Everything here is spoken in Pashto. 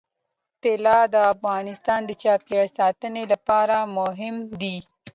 طلا د افغانستان د چاپیریال ساتنې لپاره مهم دي.